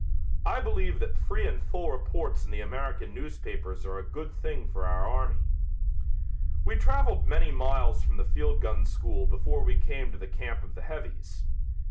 I believe that free and full reports in the American newspapers are a good thing for our army." We traveled many miles from the field gun school before we came to the camp of the heavies.